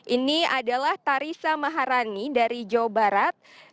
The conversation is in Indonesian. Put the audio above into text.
ini adalah tarisa maharani dari jawa barat